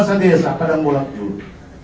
di desa padang bulat julu